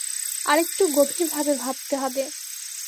আরেকটু গভীরভাবে ভাবতে হবে।